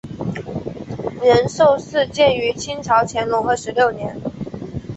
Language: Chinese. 仁寿寺建于清朝乾隆二十六年。